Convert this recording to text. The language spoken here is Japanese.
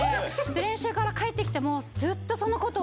練習から帰って来ても。